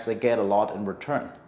mereka mendapatkan banyak keuntungan